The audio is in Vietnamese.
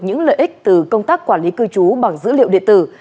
những lợi ích từ công tác quản lý cư trú bằng dữ liệu điện tử